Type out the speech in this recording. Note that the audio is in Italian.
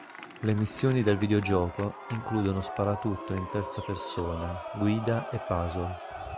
Le missioni del videogioco includono sparatutto in terza persona, guida e puzzle.